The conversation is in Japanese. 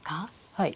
はい。